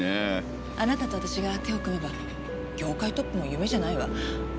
あなたとわたしが手を組めば業界トップも夢じゃないわ。